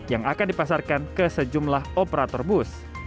yang akan dipasarkan ke sejumlah operator bus